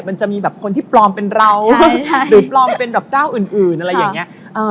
มันจะมีแบบคนที่ปลอมเป็นเราหรือปลอมเป็นแบบเจ้าอื่นอะไรอย่างนี้